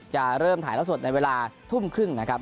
จะเริ่มถ่ายแล้วสดในเวลาทุ่มครึ่งนะครับ